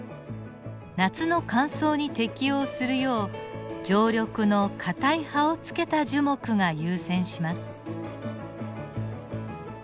夏の乾燥に適応するよう常緑の硬い葉をつけた樹木が優占します。